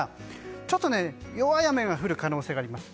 ちょっと弱い雨が降る可能性があります。